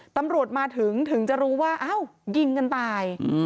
ตำรวจมาถึงถึงจะรู้ว่าอ้าวยิงกันตาย